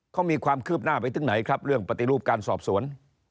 เขามีความคืบหน้าไปถึงไหนครับเรื่องปฏิรูปการสอบสวน